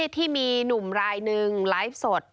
ที่มีหนุ่มรายหนึ่งไลฟ์สด